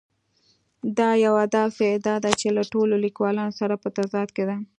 دا یوه داسې ادعا ده چې له ټولو لیکونو سره په تضاد کې ده.